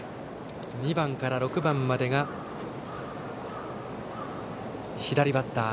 ２番から６番までが左バッター。